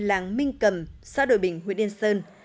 làng minh cầm xã đội bình huyện yên sơn